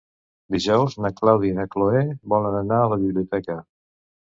Dijous na Clàudia i na Cloè volen anar a la biblioteca.